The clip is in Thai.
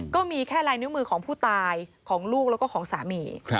ก็มีแค่ลายนิ้วมือของผู้ตายของลูกแล้วก็ของสามี